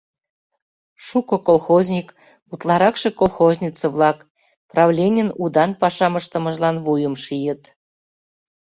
Шуко колхозник, утларакше колхозница-влак, правленийын удан пашам ыштымыжлан вуйым шийыт.